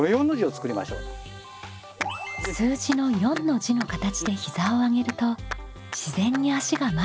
数字の４の字の形で膝を上げると自然に足が前に運べるそう。